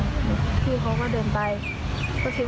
พ่อเราได้ห้ามอะไรอย่างนี้